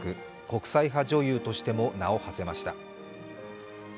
国際派女優としても名をはせました。